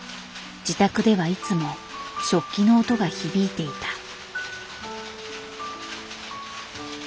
自宅ではいつも織機の音が響いていた。